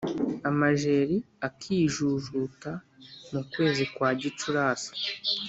Amajeri akijujuta Mu kwezi kwa Gicurasi